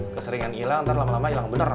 keseringan ilang ntar lama lama ilang bener